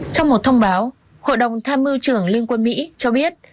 trong một thông báo hội đồng tham mưu trưởng liên quân mỹ cho biết